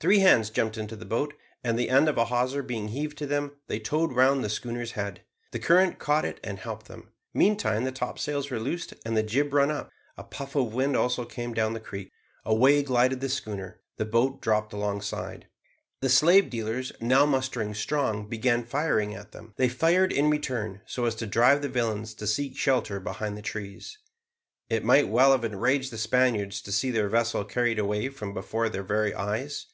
Three hands jumped into the boat, and the end of a hawser being heaved to them, they towed round the schooner's head the current caught it and helped them. Meantime the topsails were loosed and the jib run up; a puff of wind also came down the creek. Away glided the schooner the boat dropped alongside. The slave dealers, now mustering strong, began firing at them. They fired in return, so as to drive the villains to seek shelter behind the trees. It might well have enraged the Spaniards to see their vessel carried away from before their very eyes.